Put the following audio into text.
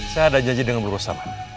saya ada janji dengan bu rosa